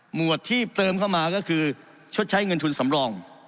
หวดที่เติมเข้ามาก็คือชดใช้เงินทุนสำรอง